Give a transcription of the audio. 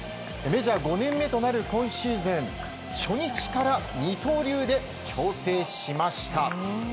メジャー５年目となる今シーズン初日から二刀流で調整しました。